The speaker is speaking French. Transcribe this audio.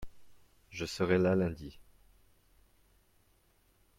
je serai là lundi.